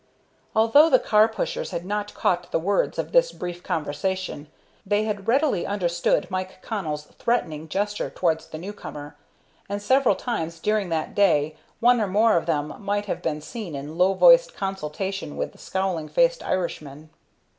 Although the car pushers had not caught the words of this brief conversation, they had readily understood Mike Connell's threatening gesture towards the new comer, and several times during that day one or more of them might have been seen in low voiced consultation with the scowling faced Irishman.